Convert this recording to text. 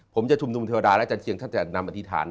ผมจะชุมนุมเทวดาและอาจารเชียงท่านจะนำอธิษฐาน